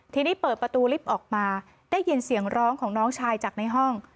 ทีนี้เปิดประตูลิฟต์ออกมาได้ยินเสียงร้องของน้องชายจากในห้อง